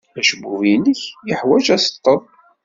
Acebbub-nnek yeḥwaj aseḍḍel.